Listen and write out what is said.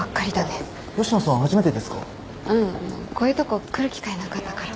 こういうとこ来る機会なかったから。